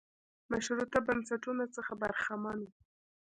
مشروطه بنسټونو څخه برخمن و.